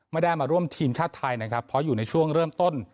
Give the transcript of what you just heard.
ไม่ได้มาร่วมทีมชาติไทยนะครับเพราะอยู่ในช่วงเริ่มต้น